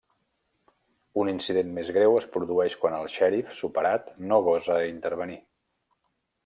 Un incident més greu es produeix quan el Xèrif, superat, no gosa intervenir.